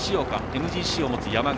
ＭＧＣを持つ山口。